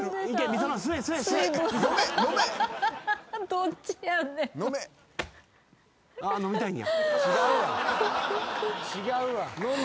どっちやねん。